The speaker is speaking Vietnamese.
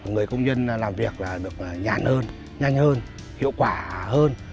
người công nhân làm việc được nhàn hơn nhanh hơn hiệu quả hơn